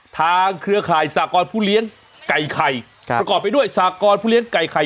เครือข่ายสากรผู้เลี้ยงไก่ไข่ประกอบไปด้วยสากรผู้เลี้ยงไก่ไข่